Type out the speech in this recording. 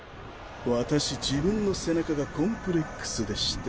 私自分の背中がコンプレックスでして。